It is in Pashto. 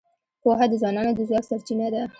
پوهه د ځوانانو د ځواک سرچینه ده.